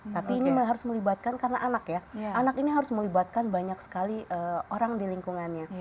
tapi ini harus melibatkan karena anak ya anak ini harus melibatkan banyak sekali orang di lingkungannya